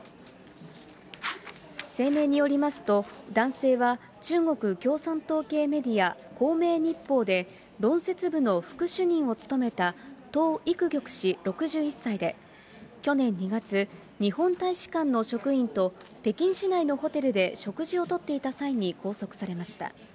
声明によりますと、男性は中国共産党系メディア、光明日報で論説部の副主任を務めた、董郁玉氏６１歳で、去年２月、日本大使館の職員と北京市内のホテルで食事をとっていた際に拘束されました。